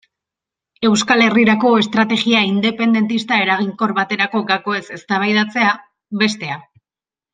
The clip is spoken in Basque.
Euskal Herrirako estrategia independentista eraginkor baterako gakoez eztabaidatzea, bestea.